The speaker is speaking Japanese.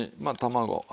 まあ卵。